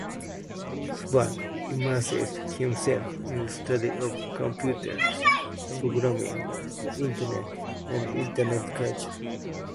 Swartz immersed himself in the study of computers, programming, the Internet, and Internet culture.